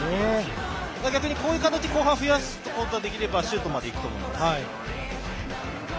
逆にこういう形を後半増やすことができればシュートまでいくと思います。